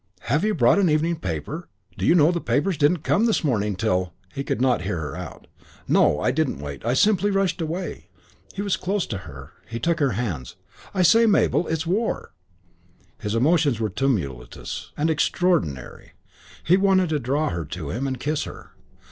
Have you brought an evening paper? Do you know the papers didn't come this morning till " He could not hear her out. "No, I didn't wait. I simply rushed away." He was close to her. He took her hands. "I say, Mabel, it's war." His emotions were tumultuous and extraordinary. He wanted to draw her to him and kiss her.